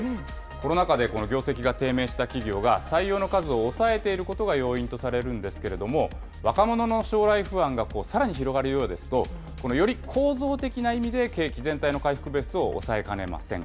コロナ禍で業績が低迷した企業が、採用の数を抑えていることが要因とされるんですけれども、若者の将来不安がさらに広がるようですと、より構造的な意味で、景気全体の回復ベースを抑えかねません。